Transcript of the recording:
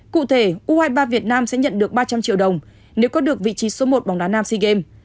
cụ thể u hai mươi ba việt nam sẽ nhận được ba trăm linh triệu đồng nếu có được vị trí số một bóng đá nam sea games